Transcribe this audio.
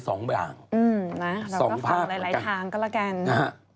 สองภาพเหมือนกัน